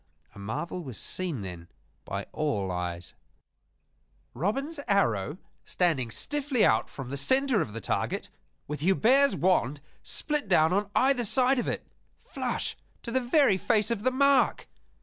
A marvel was seen then by all eyes Robin's arrow standing stiffly out from the center of the target, with Hubert's wand split down on either side of it flush to the very face of the mark!